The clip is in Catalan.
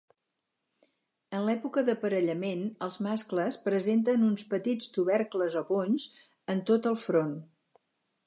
En l’època d’aparellament els mascles presenten uns petits tubercles o bonys en tot el front.